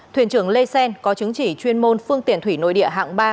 thuyền trưởng lê xen có chứng chỉ chuyên môn phương tiện thủy nội địa hạng ba